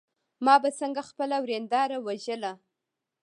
ما به څنګه خپله ورېنداره وژله.